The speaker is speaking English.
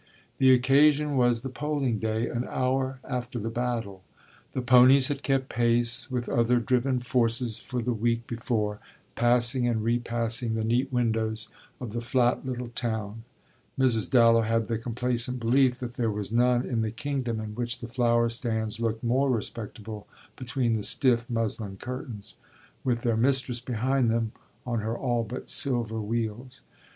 The occasion was the polling day an hour after the battle. The ponies had kept pace with other driven forces for the week before, passing and repassing the neat windows of the flat little town Mrs. Dallow had the complacent belief that there was none in the kingdom in which the flower stands looked more respectable between the stiff muslin curtains with their mistress behind them on her all but silver wheels.